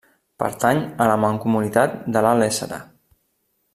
Pertany a la mancomunitat de l'Alt Éssera.